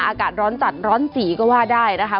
อากาศร้อนจัดร้อนจีก็ว่าได้นะคะ